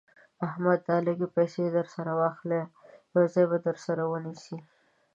احمده دا لږ پيسې در سره واخله؛ يو ځای به درته ونيسي.